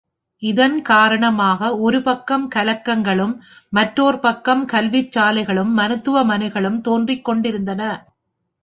இதன் காரணமாக ஒரு பக்கம் கலகங்களும், மற்றோர் பக்கம் கல்விச் சாலைகளும், மருத்துவமனைகளும் தோன்றிக் கொண்டிருந்தன.